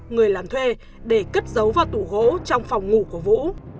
người làm thuê để cất giấu vào tủ gỗ trong phòng ngủ của vũ